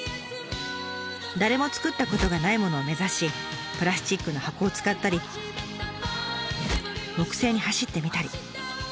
誰もつくったことがないものを目指しプラスチックの箱を使ったり木製に走ってみたり。